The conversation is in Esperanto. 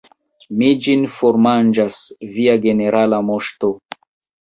Mi ĝin formanĝas, Via Generala Moŝto.